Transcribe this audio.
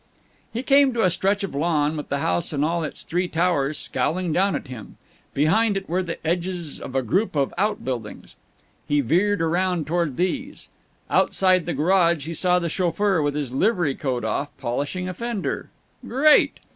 He came to a stretch of lawn, with the house and all its three towers scowling down at him. Behind it were the edges of a group of out buildings. He veered around toward these. Outside the garage he saw the chauffeur, with his livery coat off, polishing a fender. Great!